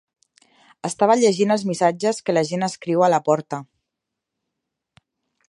Estava llegint els missatges que la gent escriu a la porta.